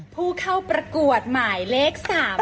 ผู้เข้าประกวดหมายเลข๓